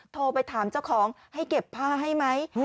โทรไปถามเจ้าของให้เก็บผ้าให้ไหม